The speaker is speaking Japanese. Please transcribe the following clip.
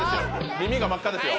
耳が真っ赤ですよ。